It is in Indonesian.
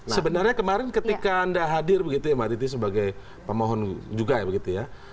sebenarnya kemarin ketika anda hadir begitu ya mbak titi sebagai pemohon juga ya begitu ya